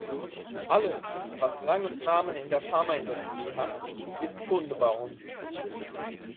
Alles, was Rang und Namen in der Pharmaindustrie hat, ist Kunde bei uns.